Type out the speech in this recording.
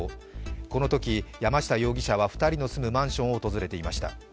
このとき山下容疑者は２人の住むマンションを訪れていました。